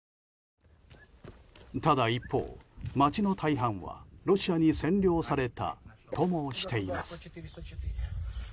ただ一方、街の大半はロシアに占領されたともしています。